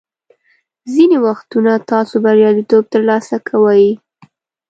ځینې وختونه تاسو بریالیتوب ترلاسه کوئ.